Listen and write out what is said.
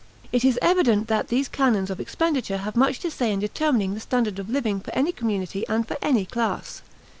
It is evident that these canons of expenditure have much to say in determining the standard of living for any community and for any class.